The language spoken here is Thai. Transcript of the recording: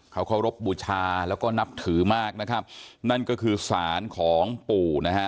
เขาเคารพบูชาแล้วก็นับถือมากนะครับนั่นก็คือสารของปู่นะฮะ